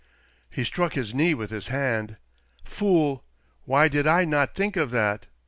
He struck his knee with his hand. "Fool! Why did I not think of that